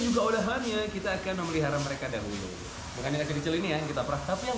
juga udahannya kita akan memelihara mereka dan will mengandalkan ini yang kita perah tapi yang